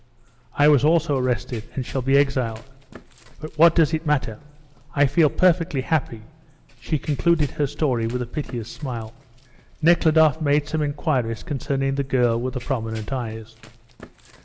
"I was also arrested, and shall be exiled. But what does it matter? I feel perfectly happy." She concluded her story with a piteous smile. Nekhludoff made some inquiries concerning the girl with the prominent eyes.